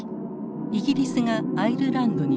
イギリスがアイルランドに侵攻。